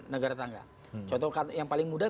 negara tangga contoh yang paling mudah